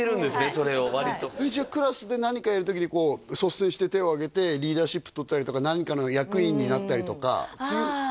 それを割とじゃあクラスで何かやる時に率先して手をあげてリーダーシップとったりとか何かの役員になったりとかああ